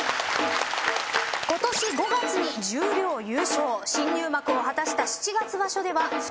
今年５月に十両優勝新入幕を果たした七月場所では２桁勝利で敢闘賞を受賞。